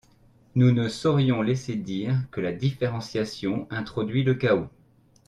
Nous ne saurions laisser dire que la différenciation introduit le chaos.